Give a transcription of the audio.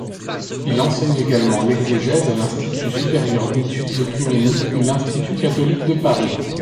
Il enseigne également l'exégèse à l'institut supérieur d'études œcuméniques de l'institut catholique de Paris.